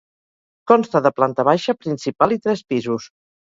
Consta de planta baixa, principal i tres pisos.